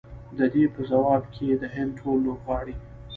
د دې په ځواب کې د هند ټول لوبغاړي